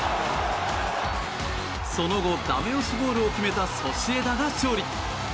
その後、駄目押しゴールを決めたソシエダが勝利。